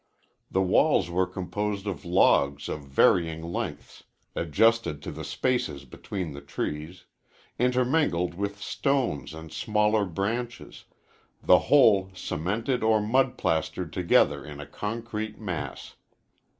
The walls were composed of logs of varying lengths, adjusted to the spaces between the trees, intermingled with stones and smaller branches, the whole cemented or mud plastered together in a concrete mass.